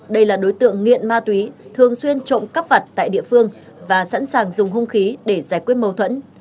đây là đối tượng nghiện ma túy thường xuyên trộm cắp vặt tại địa phương và sẵn sàng dùng hung khí để giải quyết mâu thuẫn